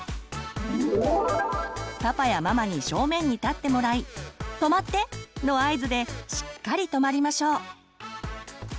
パパやママに正面に立ってもらい「止まって！」の合図でしっかり止まりましょう。